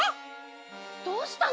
どうしたの？